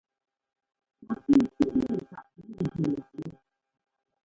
Mɛkúu cúꞌnɛ́ táꞌ yúujʉ́ láꞌ yɛ́k.